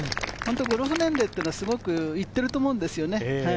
ゴルフ年齢っていうのはすごくいってると思うんですよね。